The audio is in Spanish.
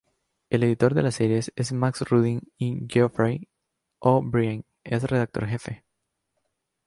El editor de las series es Max Rudin, y Geoffrey O'Brien es redactor jefe.